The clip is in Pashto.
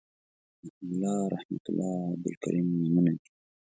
محیب الله رحمت الله عبدالکریم نومونه دي